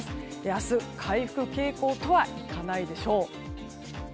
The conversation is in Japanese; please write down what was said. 明日、回復傾向とはいかないでしょう。